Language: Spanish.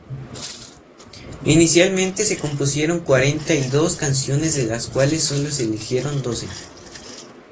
Inicialmente se compusieron cuarenta y dos canciones de las cuales solo se eligieron doce.